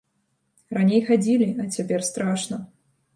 Раней хадзілі, а цяпер страшна.